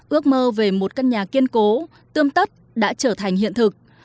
ước mơ về một căn nhà kiên cố tươm tắt đã trở thành hiện thực